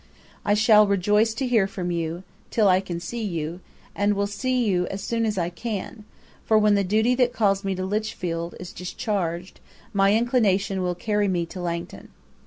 I shall rejoice to hear from you, till I can see you, and will see you as soon as I can; for when the duty that calls me to Lichfield is discharged, my inclination will carry me to Langton.